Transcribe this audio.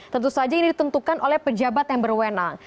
tentu saja ini ditentukan oleh pejabat yang berwenang